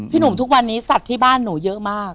หนุ่มทุกวันนี้สัตว์ที่บ้านหนูเยอะมาก